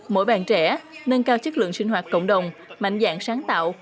mỗi bạn trẻ nâng cao chất lượng sinh hoạt cộng đồng mạnh dạng sáng tạo